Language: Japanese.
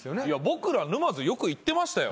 僕ら沼津よく行ってましたよ。